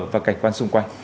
và cảnh quan xung quanh